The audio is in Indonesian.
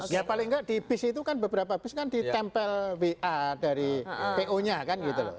ya paling nggak di bis itu kan beberapa bis kan ditempel wa dari po nya kan gitu loh